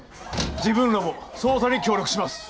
自分らも捜査に協力します